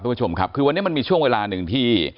คุณผู้ชมครับคือวันนี้มันมีช่วงเวลาหนึ่งที่